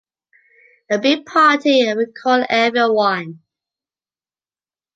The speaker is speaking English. a big party and we call every one.